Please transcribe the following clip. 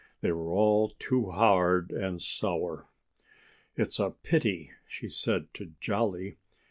They were all too hard and sour. "It's a pity," she said to Jolly.